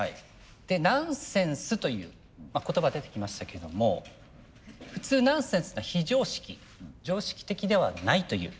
で「ナンセンス」という言葉出てきましたけども普通「ナンセンス」は「非常識」「常識的ではない」という。